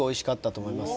と思います